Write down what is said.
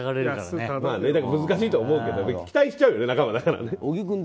だから難しいとは思うけど期待しちゃうよね。